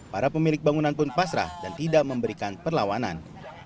para pemilik bangunan pun pasrah dan tidak memberikan perlawanan